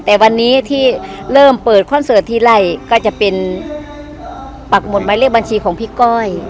แต่วันนี้ที่เริ่มเปิดคอนเสิร์ตที่ไล่ก็จะเป็นปักหมดหมายเลขบัญชีของพี่ก้อย